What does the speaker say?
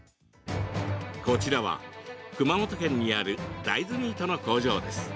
こちらは、熊本県にある大豆ミートの工場です。